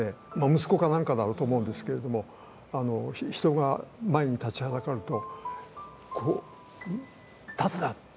息子か何かだろうと思うんですけれども人が前に立ちはだかるとこう「立つな」って。